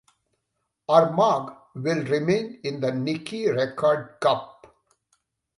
Armagh will remain in the Nicky Rackard Cup.